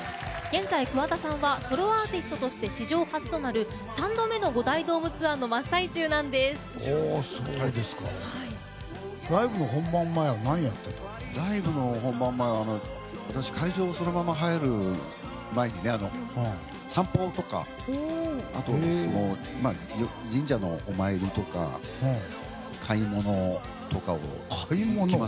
現在、桑田さんはソロアーティストとして史上初となる３度目の５大ドームツアーのライブの本番前はライブの本番前は私、会場にそのまま入る前に散歩とか神社のお参りとか買い物とかを。